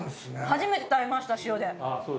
初めて食べました、塩で。